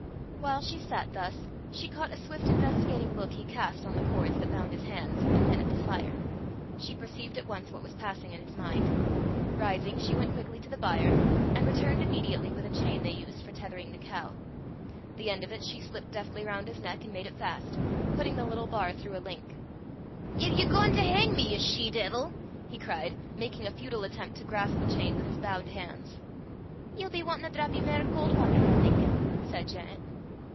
While she sat thus, she caught a swift investigating look he cast on the cords that bound his hands, and then at the fire. She perceived at once what was passing in his mind. Rising, she went quickly to the byre, and returned immediately with a chain they used for tethering the cow. The end of it she slipt deftly round his neck, and made it fast, putting the little bar through a link. "Ir ye gauin' to hang me, ye she deevil?" he cried, making a futile attempt to grasp the chain with his bound hands. "Ye'll be wantin' a drappy mair caul' watter, I'm thinkin'," said Janet.